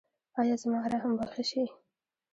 ایا زما رحم به ښه شي؟